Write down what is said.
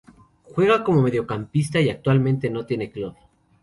Juega como mediocampista y actualmente no tiene club.